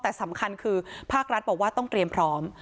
แต่สำคัญคือภาครัฐบอกว่าต้องเตรียมพร้อม